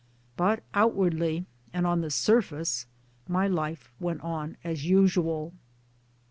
But outwardly, and on the surface, my life went on as usual.